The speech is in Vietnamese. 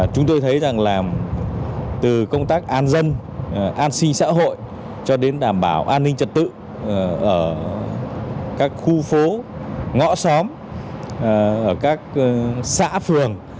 chúng tôi thấy rằng là từ công tác an dân an sinh xã hội cho đến đảm bảo an ninh trật tự ở các khu phố ngõ xóm ở các xã phường